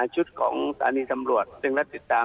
จุดของศาลีสำรวจเรื่องรัฐติดตาม